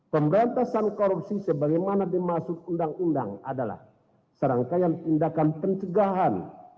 pemberantasan korupsi sebagaimana dimaksud undang undang adalah serangkaian tindakan pencegahan